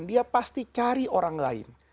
dia pasti cari orang lain